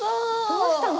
どうしたの？